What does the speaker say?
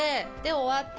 終わって。